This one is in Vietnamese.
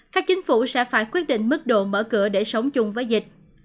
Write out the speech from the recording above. các chính phủ sẽ phải quyết định mức độ mở cửa để sống chung với dịch